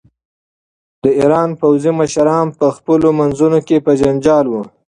د ایران پوځي مشران په خپلو منځونو کې په جنجال وو.